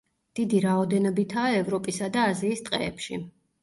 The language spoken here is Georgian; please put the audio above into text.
დიდი რაოდენობითაა ევროპისა და აზიის ტყეებში.